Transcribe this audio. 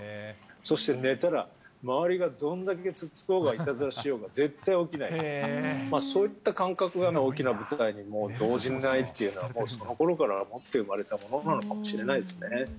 そして寝たら、周りがどんだけつつこうが、いたずらしようが絶対起きないと、そういった感覚が大きな舞台でも動じないっていうのが、そのころから持って生まれたものかもしれないですね。